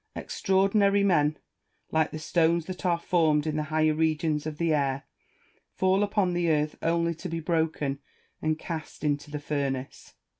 Extraordinary men, like the stones that are formed in the higher regions of the air, fall upon the earth only to be broken and cast into the furnace.